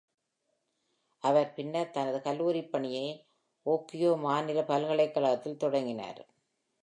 அவர் பின்னர் தனது கல்லூரிப்பணியை ஓஹியோ மாநில பல்கலைக்கழகத்தில் தொடங்கினார்.